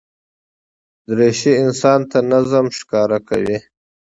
دریشي انسان ته نظم ښکاره کوي.